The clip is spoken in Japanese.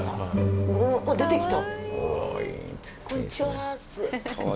おっ出て来た。